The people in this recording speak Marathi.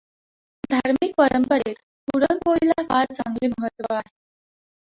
धामि॔क पंरपंरेत पुरणपोळीला फार चांगले महत्त्व आहे.